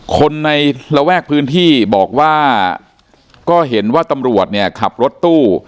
คนในระแวกพื้นที่บอกว่าก็เห็นว่าตำรวจเนี่ยขับรถตู้